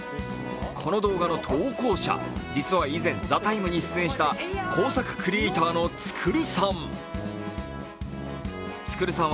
この動画の投稿者、実は以前「ＴＨＥＴＩＭＥ，」に出演した工作クリエーターのつくるさん。